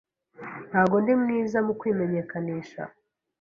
Ntabwo ndi mwiza mu kwimenyekanisha.